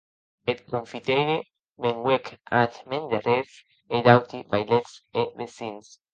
Eth confiteire venguec ath mèn darrèr, e d'auti vailets e vesins.